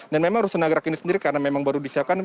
dan memang rusun nagrak ini sendiri karena memang baru disiapkan